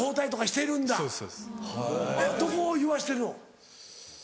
どこをいわしてるの？